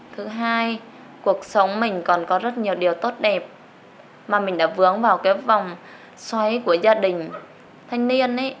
thứ hai cuộc sống mình còn có rất nhiều điều tốt đẹp mà mình đã vướng vào cái vòng xoay của gia đình thanh niên ấy